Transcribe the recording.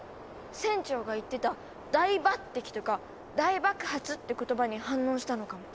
船長が言ってた「大ばってき」とか「大爆発」って言葉に反応したのかも。